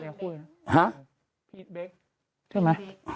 เชื่อมั้ย